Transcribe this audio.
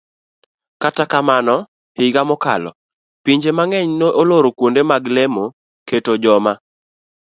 Kata kamano, higa mokalo, pinje mang'eny ne oloro kuonde lemo kuom keto joma